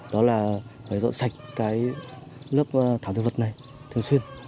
đó là phải dọn sạch cái lớp thảo thương vật này thường xuyên